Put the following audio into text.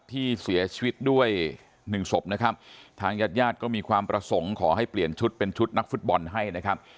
ที่เสียชีวิตด้วยหนึ่งศพนะครับทางญาติญาติก็มีความประสงค์ขอให้เปลี่ยนชุดเป็นชุดนักฟุตบอลให้นะครับ